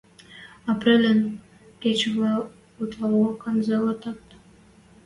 Апрельӹн кечӹвлӓ утлаок анзылтат.